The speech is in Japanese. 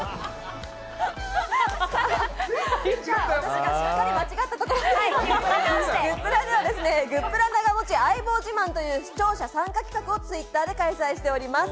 私がしっかり間違ったところグップラでは、グップラ長持ち相棒自慢という視聴者参加企画をツイッターで開催しております。